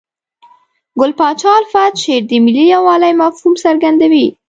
ګل پاچا الفت شعر د ملي یووالي مفهوم څرګندوي.